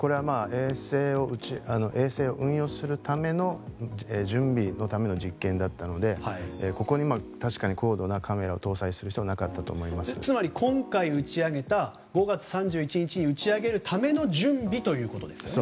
衛星を運用するための準備のための実験だったのでここに、確かに高度なカメラを搭載する必要はつまり今回打ち上げた５月３１日に打ち上げるための準備ということですよね。